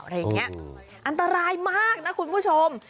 อย่างนี้อันตรายมากนะคุณผู้ชม